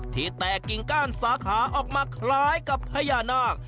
ที่แตกกิ่งก้านสาขาออกมาคล้ายกับพญานาค